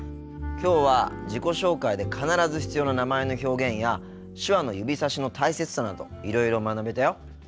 きょうは自己紹介で必ず必要な名前の表現や手話の指さしの大切さなどいろいろ学べたよ。